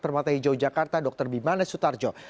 permata hijau jakarta dr bimanes sutarjo